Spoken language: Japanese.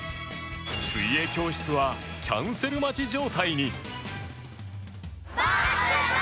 水泳教室はキャンセル待ち状態に。